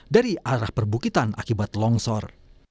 dari arah perbukitan akibat longsor